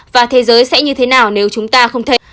và thế giới sẽ như thế nào nếu chúng ta không thể